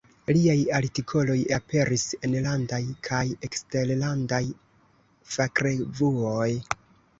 Liaj artikoloj aperis enlandaj kaj eksterlandaj fakrevuoj.